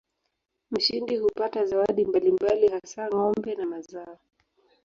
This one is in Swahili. Mshindi hupata zawadi mbalimbali hasa ng'ombe na mazao.